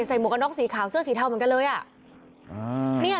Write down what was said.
ใส่หมวกนอกสีขาวเสื้อสีเทาเหมือนกันเลย